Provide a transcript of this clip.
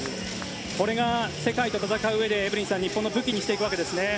これが世界と戦ううえでエブリンさん日本の武器にしていくわけですね。